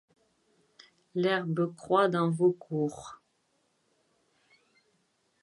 L’herbe croît dans vos cours